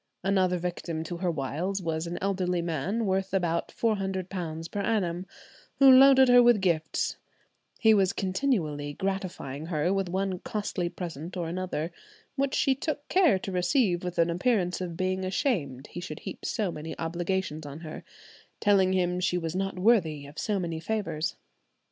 Another victim to her wiles was an elderly man, worth about £400 per annum, who loaded her with gifts; he was continually gratifying her with one costly present or another, which she took care to receive with an appearance of being ashamed he should heap so many obligations on her, telling him she was not worthy of so many favours.